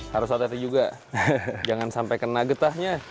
harus atati juga jangan sampai kena getahnya